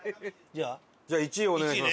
じゃあ１位をお願いします。